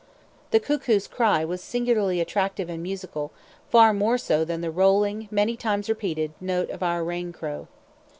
The cuckoo's cry was singularly attractive and musical, far more so than the rolling, many times repeated, note of our rain crow.